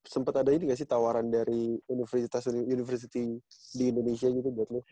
sempat ada ini gak sih tawaran dari universitas di indonesia gitu buat lo